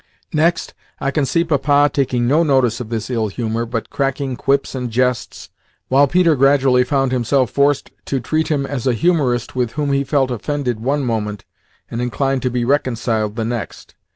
Next, I can see Papa taking no notice of this ill humour, but cracking quips and jests, while Peter gradually found himself forced to treat him as a humorist with whom he felt offended one moment and inclined to be reconciled the next.